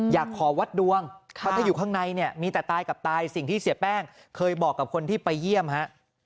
อยากขอวัดดวงเพราะถ้าอยู่ข้างในเนี่ยมีแต่ตายกับตายสิ่งที่เสียแป้งเคยบอกกับคนที่ไปเยี่ยมฮะ